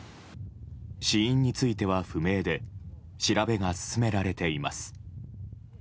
死因については不明で調べが進められています。